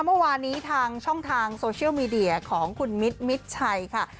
เมื่อวานนี้ทางช่องทางโซเชียลมีเดียของคุณมิตรมิดชัยค่ะ